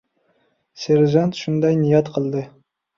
Serjant shunday niyat qildi.